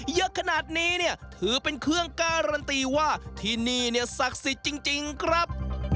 เยอะขนาดนี้เนี่ยถือเป็นเครื่องการันตีว่าที่นี่เนี่ยศักดิ์สิทธิ์จริงครับ